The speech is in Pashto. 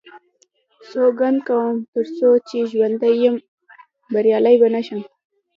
سوګند کوم تر څو چې ژوندی یم بریالی به نه شي.